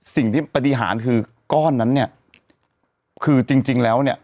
สิ่งที่ปฏิหารคือก้อนนั้นเนี่ยคือจริงแล้วเนี่ย